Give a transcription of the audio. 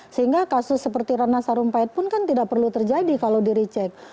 sehingga kasus seperti rana sarumpait pun kan tidak perlu terjadi kalau di recek